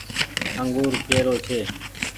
انگور ڪي رو ڇي ۔